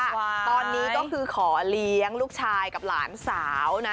ตอนนี้ก็คือขอเลี้ยงลูกชายกับหลานสาวนะ